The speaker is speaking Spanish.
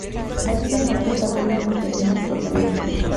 La villa nació a partir de una estación de ferrocarril.